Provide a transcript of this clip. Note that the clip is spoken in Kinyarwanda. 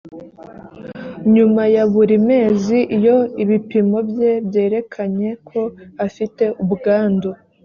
nyuma ya buri mezi iyo ibipimo bye byerekanye ko afite ubwandu